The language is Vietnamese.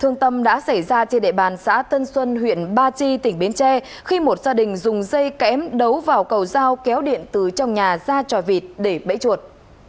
thương tâm đã xảy ra trên địa bàn xã tân xuân huyện ba chi tỉnh bến tre khi một gia đình dùng dây kém đấu vào cầu dao kéo điện từ trong nhà ra trò vịt để bẫy chuột